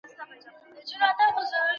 سردار اکبرخان ملت ته مثالی و